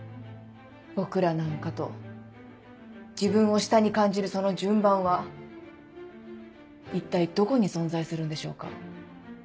「僕らなんか」と自分を下に感じるその順番は一体どこに存在するんでしょうか？